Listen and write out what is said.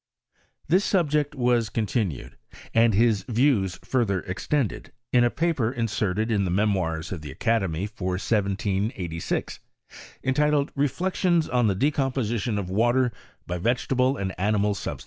This subject was continued, and his views further extended, in a paper inserted in the Memoirs of the Academy, for 1 786, entitled, "Reflections on the De csmposition of Water by Vegetable and Animal Sub ifh!'